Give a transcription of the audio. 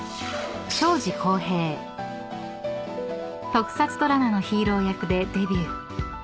［特撮ドラマのヒーロー役でデビュー］